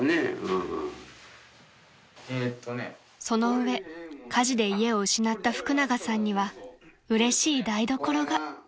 ［その上火事で家を失った福永さんにはうれしい台所が］